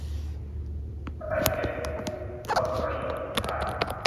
อธิปไตย เกียรติภูมิ ผลประโยชน์ของชาติ